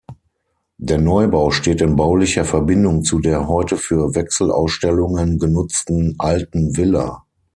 Der Neubau steht in baulicher Verbindung zu der heute für Wechselausstellungen genutzten "Alten Villa".